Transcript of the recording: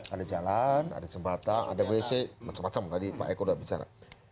ada jalan ada jembatan ada wc macam macam tadi pak eko sudah bicara